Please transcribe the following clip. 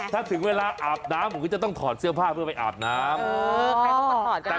ถ้าถึงเวลาอาบน้ำผมก็จะต้องถอดเสื้อผ้าเพื่อไปอาบน้ำ